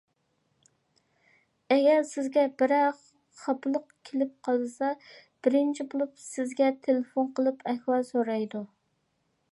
ئەگەر سىزگە بىرەر خاپىلىق كېلىپ قالسا، بىرىنچى بولۇپ سىزگە تېلېفون قىلىپ ئەھۋال سورايدۇ.